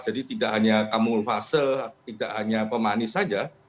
jadi tidak hanya kamul fasel tidak hanya pemanis saja